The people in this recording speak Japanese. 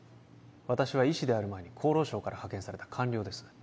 私は医師である前に厚労省から派遣された官僚です